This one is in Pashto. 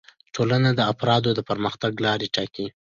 ټولنه د افرادو د پرمختګ لارې ټاکي